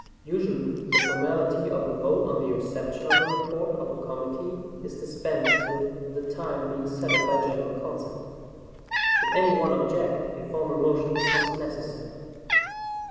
Usually the formality of a vote on the reception of a report of a committee is dispensed with, the time being settled by general consent. Should any one object, a formal motion becomes necessary.